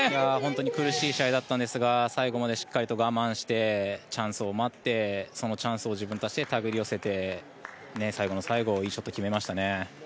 本当に苦しい試合でしたが最後までしっかり我慢してチャンスを待ってそのチャンスを自分たちで手繰り寄せて最後の最後いいショット決めましたね。